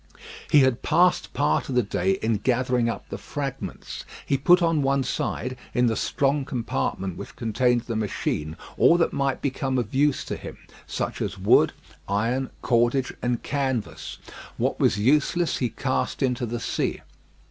He had passed part of the day in gathering up the fragments. He put on one side, in the strong compartment which contained the machine, all that might become of use to him, such as wood, iron, cordage, and canvas. What was useless he cast into the sea.